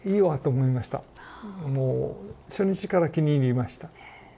もう初日から気に入りました。